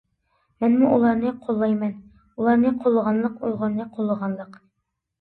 مەنمۇ ئۇلارنى قوللايمەن، ئۇلارنى قوللىغانلىق ئۇيغۇرنى قوللىغانلىق.